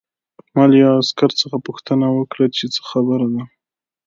ما له یوه عسکر څخه پوښتنه وکړه چې څه خبره ده